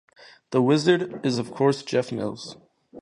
The wizard is of course Jeff Mills!